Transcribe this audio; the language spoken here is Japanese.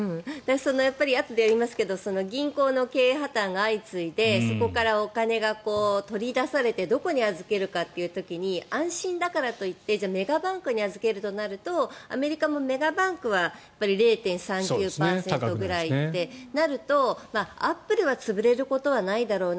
あとでやりますけど銀行の経営破たんが相次いでそこからお金が取り出されてどこに預けるかという時に安心だからと言ってメガバンクに預けるとなるとアメリカもメガバンクは０．３９％ぐらいとなるとアップルは潰れることはないだろうな。